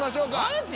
マジ？